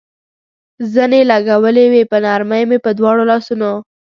زنې لګولې وې، په نرمۍ مې په دواړو لاسونو.